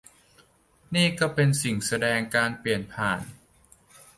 นี่ก็เป็นสิ่งแสดงการเปลี่ยนผ่าน